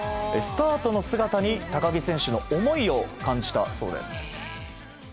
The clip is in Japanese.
スタートの姿に、高木選手の思いを感じたそうです。